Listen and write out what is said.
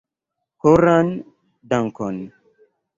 Koran dankon!